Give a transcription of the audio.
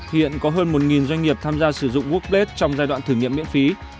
hiện có hơn một doanh nghiệp tham gia sử dụng workpage trong giai đoạn thử nghiệm miễn phí